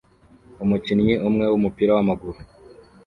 Umukinnyi umwe wumupira wamaguru